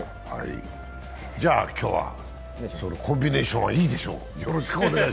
じゃあ、今日はコンビネーションはいいでしょう。